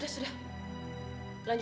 oportunitas yang l findings